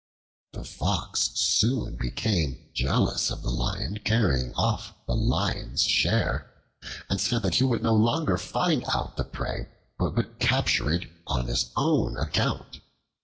The Fox soon became jealous of the Lion carrying off the Lion's share, and said that he would no longer find out the prey, but would capture it on his own account.